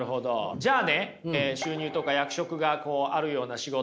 じゃあね収入とか役職があるような仕事